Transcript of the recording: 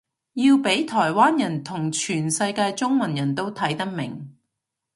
要畀台灣人同全世界中文人都睇得明